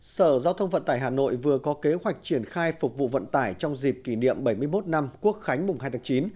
sở giao thông vận tải hà nội vừa có kế hoạch triển khai phục vụ vận tải trong dịp kỷ niệm bảy mươi một năm quốc khánh mùng hai tháng chín